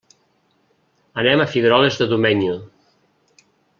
Anem a Figueroles de Domenyo.